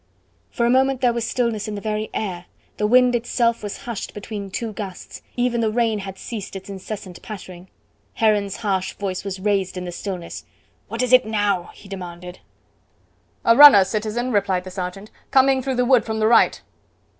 For a moment there was stillness in the very air, the wind itself was hushed between two gusts, even the rain had ceased its incessant pattering. Heron's harsh voice was raised in the stillness. "What is it now?" he demanded. "A runner, citizen," replied the sergeant, "coming through the wood from the right."